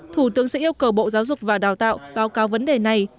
thủ tướng sẽ yêu cầu bộ giáo dục và đào tạo báo cáo vấn đề này